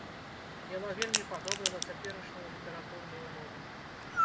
Яна вельмі падобна на цяперашнюю літаратурную мову.